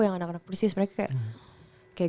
yang anak anak persis mereka kayak